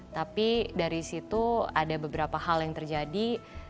tapi dari situ ada beberapa hal yang terjadi